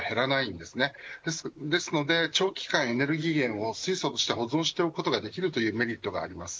ですので、長期間エネルギー源を水素として保存しておくことができるというメリットがあります。